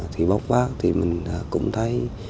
thì bốc phát thì mình cũng thấy